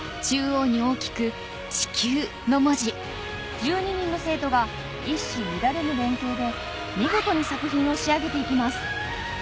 １２人の生徒が一糸乱れぬ連携で見事に作品を仕上げていきます